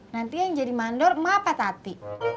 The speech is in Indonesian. nanti yang jadi mandor mah pak tati